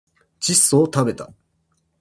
窒素をたべた